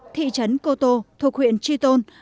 thị trấn cô tô thuộc huyện tri tôn